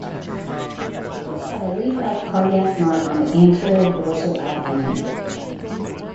Most have a leaf-like cardiac mark on the anterior dorsal abdomen.